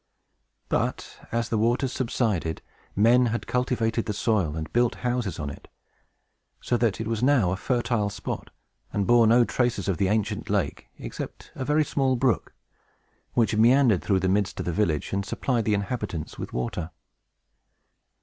But, as the waters subsided, men had cultivated the soil, and built houses on it, so that it was now a fertile spot, and bore no traces of the ancient lake, except a very small brook, which meandered through the midst of the village, and supplied the inhabitants with water.